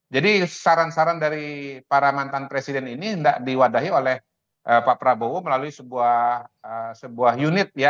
jadi saran saran dari para mantan presiden ini tidak diwadahi oleh pak prabowo melalui sebuah unit